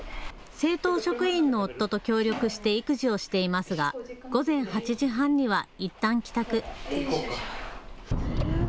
政党職員の夫と協力して育児をしていますが午前８時半にはいったん帰宅。